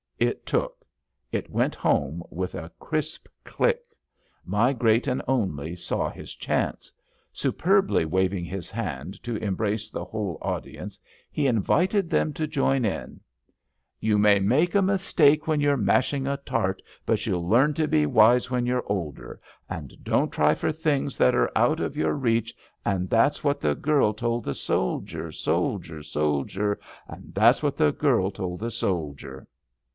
It took — it went home with a crisp click. My Great and Only saw his chance. Superbly waving his hand to embrace the whole audience, he invited them to join in: 270 ABAFT THE FUNNEL You may make a mistake when you^re mashing^ a tart, But you'll learn to be wise when you're older. And don't try for things that are out of your reach, And that's what the girl told the soldier, soldier, soldier, And that's what the girl told the soldier."